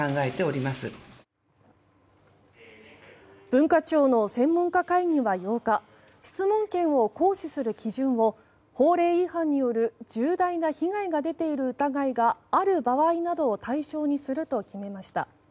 文化庁の専門家会議は８日質問権を行使する基準を法令違反による重大な被害が出ている疑いがある場合などを対象にすると決めました。